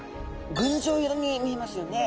群青色に見えますよね。